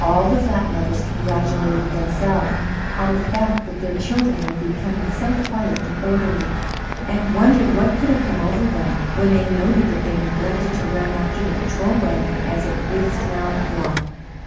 All the flat mothers congratulated themselves on the fact that their children were becoming so quiet and orderly, and wondered what could have come over them when they noted that they neglected to run after the patrol wagon as it whizzed round the block.